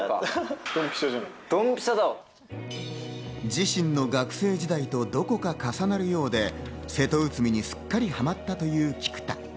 自身の学生時代とどこか重なるようで『セトウツミ』にすっかりはまったという菊田。